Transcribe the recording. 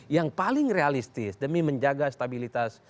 yang paling realistis demi menjaga stabilitas